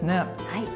はい。